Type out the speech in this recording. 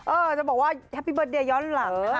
จะบอกว่าแฮปปี้เบิร์เดยย้อนหลังนะคะ